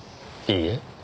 いいえ。